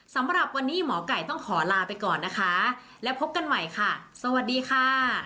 สำหรับวันนี้หมอไก่ต้องขอลาไปก่อนนะคะและพบกันใหม่ค่ะสวัสดีค่ะ